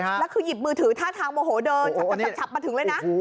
แล้วคือหยิบมือถือท่าทางโมโหเดินฉับมาถึงเลยนะ